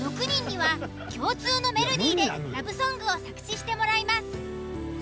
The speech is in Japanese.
６人には共通のメロディでラブソングを作詞してもらいます。